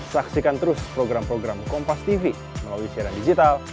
saksikan terus program program kompas tv melalui siaran digital